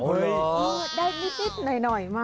โอ้โฮได้นิดหน่อยมา